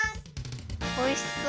おいしそう。